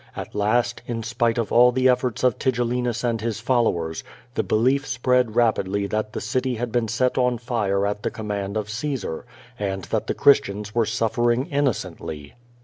At last, in spite of all the efforts of Tigellinus and his followers, the belief spread rapidly that the city had been set on fire at the command of Caesar, and that the Chris tians were suffering innocently.